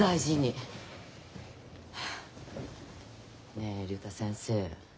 ねえ竜太先生。